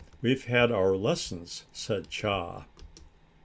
We've had our lessons," said Chaa.